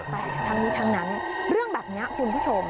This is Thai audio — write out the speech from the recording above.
แต่ทั้งนี้ทั้งนั้นเรื่องแบบนี้คุณผู้ชม